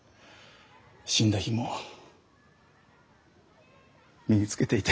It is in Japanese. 死んだ日も身に着けていて。